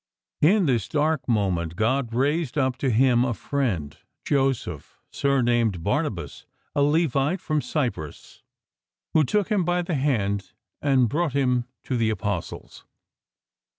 In this dark moment God raised up to him a friend— Joseph, surnamed Barnabas, a Levite from Cyprus — ^who " took him by the hand and brought him to the Apostles."